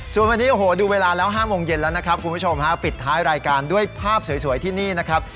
ส่วนวันนี้โอ้โหดูเวลาแล้ว๕โมงเย็นแล้วนะครับคุณผู้ชมฮะปิดท้ายรายการด้วยภาพสวยที่นี่นะครับ